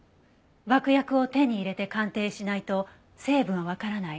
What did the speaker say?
爆薬を手に入れて鑑定しないと成分はわからない。